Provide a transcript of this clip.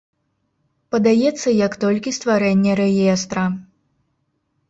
Падаецца як толькі стварэнне рэестра.